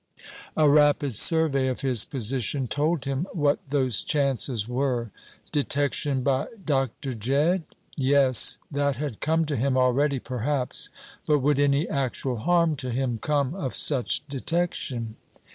A rapid survey of his position told him what those chances were. Detection by Dr. Jedd? Yes. That had come to him already perhaps. But would any actual harm to him come of such detection?